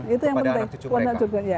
itu yang penting